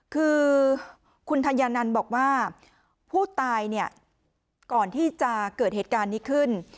คือคุณธัญญานันต์บอกว่าผู้ตายเนี่ยก่อนที่จะเกิดเหตุการณ์นี้ขึ้น